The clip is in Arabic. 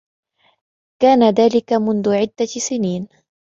كان ذلك منذ عدة سنين.